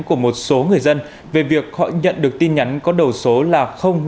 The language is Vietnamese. của một số người dân về việc họ nhận được tin nhắn có đầu số là năm mươi hai